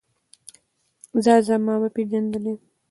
ځه ځه ما وپېژندلې.